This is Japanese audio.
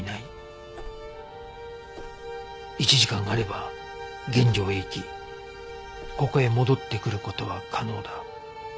１時間あれば現場へ行きここへ戻ってくる事は可能だ。